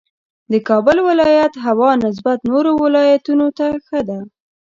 د کابل ولایت هوا نسبت نورو ولایتونو ته ښه ده